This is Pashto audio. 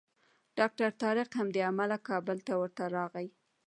ډاکټر طارق همدې امله کابل ته ورته راغی.